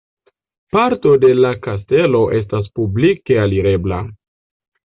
Parto de la kastelo estas publike alirebla.